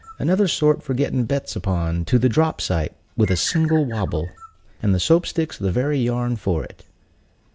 Another sort for getting bets upon, to the drop sight, with a single wabble! And the Soap stick's the very yarn for it."